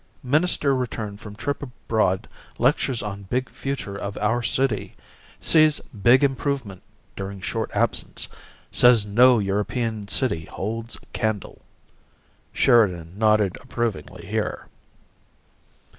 "Minister Returned from Trip Abroad Lectures on Big Future of Our City. Sees Big Improvement during Short Absence. Says No European City Holds Candle." (Sheridan nodded approvingly here.)